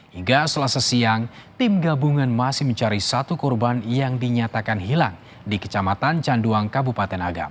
hingga selasa siang tim gabungan masih mencari satu korban yang dinyatakan hilang di kecamatan canduang kabupaten agam